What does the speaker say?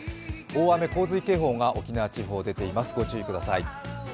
大雨洪水警報が沖縄地方に出ています、ご注意ください。